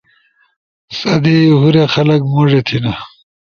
سہ دی ہور خلق موڙے تھینا